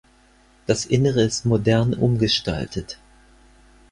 Das Innere ist modern umgestaltet.